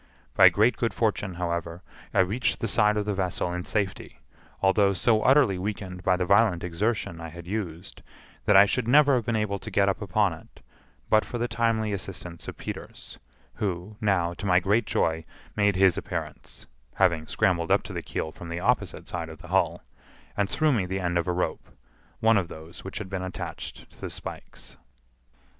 By great good fortune, however, I reached the side of the vessel in safety, although so utterly weakened by the violent exertion I had used that I should never have been able to get upon it but for the timely assistance of Peters, who, now, to my great joy, made his appearance (having scrambled up to the keel from the opposite side of the hull), and threw me the end of a rope—one of those which had been attached to the spikes.